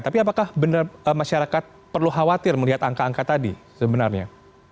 tapi apakah benar masyarakat perlu khawatir melihat angka angka tadi sebenarnya